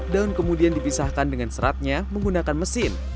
daun kemudian dipisahkan dengan seratnya menggunakan mesin